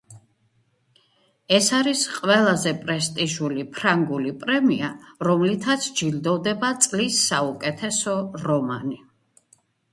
ეს არის ყველაზე პრესტიჟული ფრანგული პრემია, რომლითაც ჯილდოვდება წლის საუკეთესო რომანი.